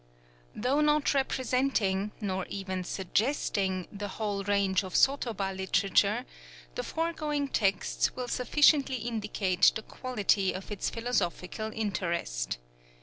IV Though not representing, nor even suggesting, the whole range of sotoba literature, the foregoing texts will sufficiently indicate the quality of its philosophical interest.